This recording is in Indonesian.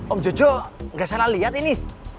om jojo gak salah liat ini